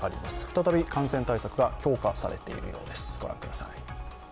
再び感染対策が強化されているようです。